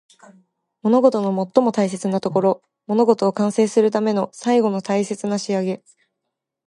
物事の最も大切なところ。物事を完成するための最後の大切な仕上げ。